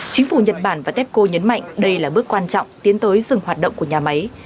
chính phủ nhật bản và tepco nhấn mạnh đây là bước quan trọng tiến tới dừng hoạt động của nhà máy